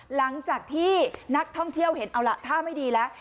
หลังจากที่นักท่องเที่ยวเห็นเอาล่ะท่าไม่ดีแล้ว